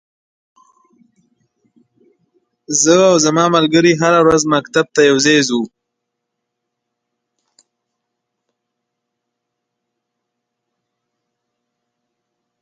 زه او ځما ملګری هره ورځ مکتب ته یوځای زو.